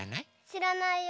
しらないよ。